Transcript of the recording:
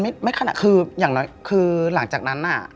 มันไม่ขนาดคืออย่างนั้นคือหลังจากนั้น